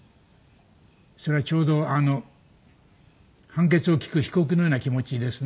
それはちょうど判決を聞く被告のような気持ちですね。